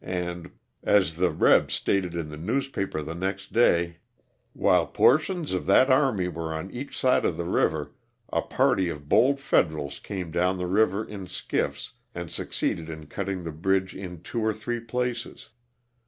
and, as the " rebs " stated in the newspaper the next day: '*While portions of that army were on each side of the river, a party of bold federals came down the river in skiffs and succeeded in cutting the bridge in two or three places.